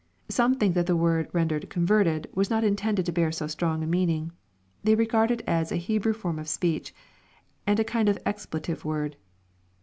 Some think that the word rendered "converted" was not intended to bear so strong a meaning. They regard it as a He brew form of speech, and a kind of expletive word.